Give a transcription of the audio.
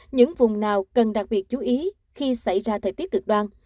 những vùng nào cần đặc biệt chú ý khi xảy ra thời tiết cực đoan